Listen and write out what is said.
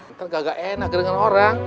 ntar kagak enak dengan orang